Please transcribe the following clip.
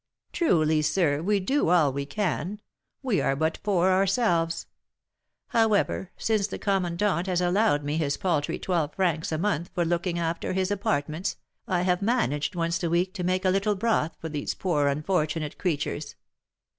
"Truly, sir, we do all we can; we are but poor ourselves; however, since the commandant has allowed me his paltry twelve francs a month for looking after his apartments, I have managed once a week to make a little broth for these poor, unfortunate creatures.